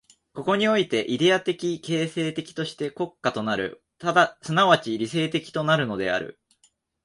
ここにおいてイデヤ的形成的として国家となる、即ち理性的となるのである。